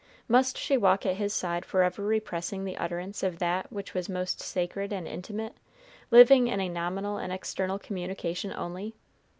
Must she walk at his side forever repressing the utterance of that which was most sacred and intimate, living in a nominal and external communion only?